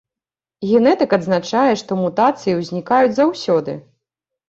Генетык адзначае, што мутацыі ўзнікаюць заўсёды.